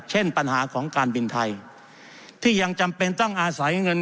เช่นปัญหาของการบินไทยที่ยังจำเป็นต้องอาศัยเงิน